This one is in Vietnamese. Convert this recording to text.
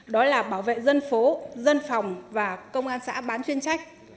đó là bảo vệ dân phố dân phòng và công an xã bán chuyên trách